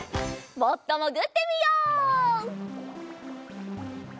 もっともぐってみよう。